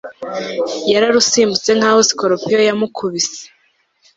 yararusimbutse nkaho sikorupiyo yamukubise